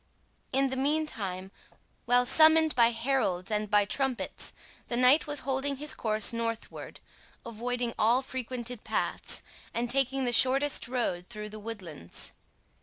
In the meantime, while summoned by heralds and by trumpets, the knight was holding his course northward, avoiding all frequented paths, and taking the shortest road through the woodlands.